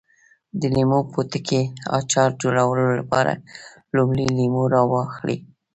د لیمو پوټکي اچار جوړولو لپاره لومړی لیمو راواخلئ.